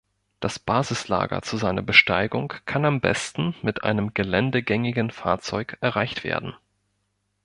Das Basislager zu seiner Besteigung kann am besten mit einem geländegängigen Fahrzeug erreicht werden.